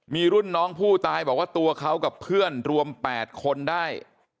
มีรุ่นน้องผู้ตายบอกว่าตัวเขากับเพื่อนรวม๘คนได้